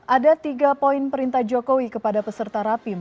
ada tiga poin perintah jokowi kepada peserta rapim